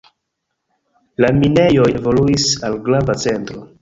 La minejoj evoluis al grava centro.